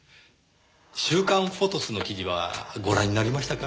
『週刊フォトス』の記事はご覧になりましたか？